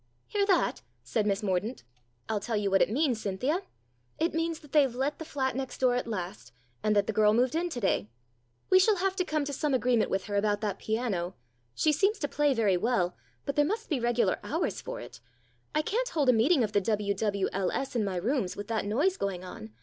"Hear that?" said Miss Mordaunt. "I'll tell you what it means, Cynthia. It means that they've let the flat next door at last, and that the girl moved in to day. We shall have to come to some agreement with her about that piano. She seems to play very well, but there must be regular hours for it. I can't hold a meeting of the W.W.L.S. in my rooms with that noise going on.